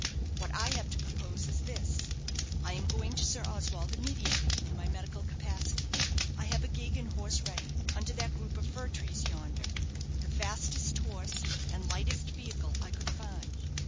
What I have to propose is this: I am going to Sir Oswald immediately in my medical capacity. I have a gig and horse ready, under that group of fir trees yonder the fastest horse and lightest vehicle I could find.